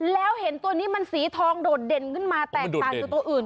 แล้วเห็นตัวนี้มันสีทองโดดเด่นขึ้นมาแตกต่างจากตัวอื่น